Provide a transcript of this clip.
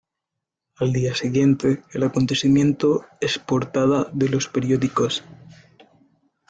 Al día siguiente el acontecimiento es portada de los periódicos.